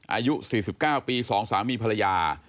อายุ๔๙ปี๒สามีภรรยา